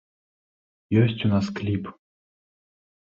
Ёсць у нас кліп.